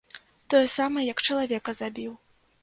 Тое самае, як чалавека забіў.